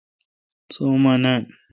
سو°اما نان۔